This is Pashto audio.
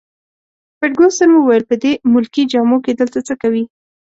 فرګوسن وویل: په دې ملکي جامو کي دلته څه کوي؟